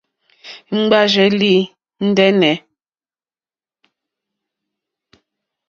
Ŋɡbárzèlì ndɛ́nɛ̀.